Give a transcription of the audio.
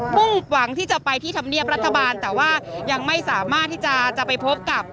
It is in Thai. มุ่งหวังที่จะไปที่ธรรมเนียบรัฐบาลแต่ว่ายังไม่สามารถที่จะไปพบกับ